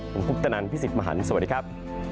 ผมคุปตนันพี่สิทธิมหันฯสวัสดีครับ